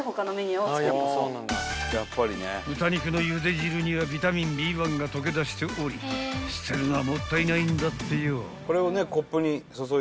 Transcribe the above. ［豚肉のゆで汁にはビタミンＢ１が溶け出しており捨てるのはもったいないんだってよ］